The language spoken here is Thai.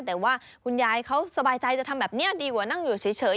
แต่ว่าคุณยายเขาสบายใจจะทำแบบนี้ดีกว่านั่งอยู่เฉย